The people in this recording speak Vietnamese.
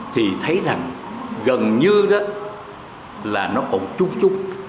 thì thấy rằng gần như đó là nó còn chút chút